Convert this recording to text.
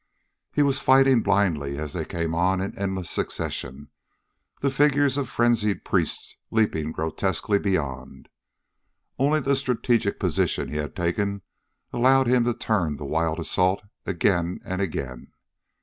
He was fighting blindly as they came on in endless succession, the figures of frenzied priests leaping grotesquely beyond. Only the strategic position he had taken allowed him to turn the wild assault again and again.